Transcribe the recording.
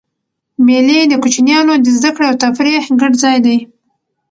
مېلې د کوچنيانو د زدهکړي او تفریح ګډ ځای دئ.